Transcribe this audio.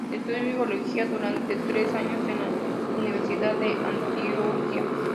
Estudió biología durante tres años en la Universidad de Antioquia.